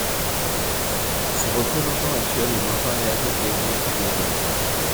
Son représentant actuel est Mohammed Derir Geden.